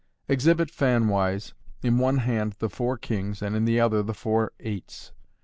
— Exhibit, fanwise., in one hand the four kings, and in the other the four eights.